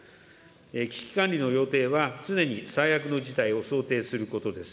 危機管理の要諦は、常に最悪の事態を想定することです。